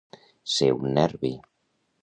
Ser un nervi.